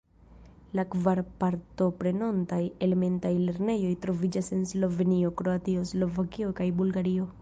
La kvar partoprenontaj elementaj lernejoj troviĝas en Slovenio, Kroatio, Slovakio kaj Bulgario.